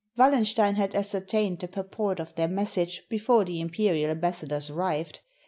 Wallenstein had ascertained the purport of their message before the imperial ambassadors arrived.